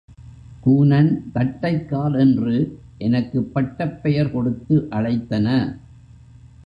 கூனன் தட்டைக்கால் என்று எனக்குப் பட்டப்பெயர் கொடுத்து அழைத்தன.